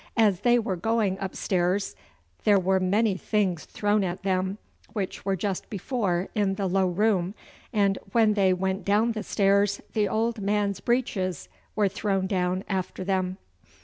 As they were going upstairs there were many things thrown at them which were just before in the low room, and when they went down the stairs the old man's breeches were thrown down after them.